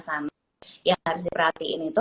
sama yang harus diperhatiin itu